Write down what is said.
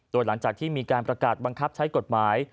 โดยหลังจากที่มีการประกาศบังคับใช้กฎหมาย